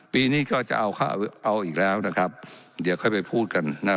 ปีนี้ก็จะเอาเอาอีกแล้วนะครับเดี๋ยวค่อยไปพูดกันนะ